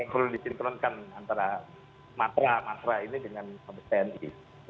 perlu disinkronkan antara matra matra ini dengan mabes tni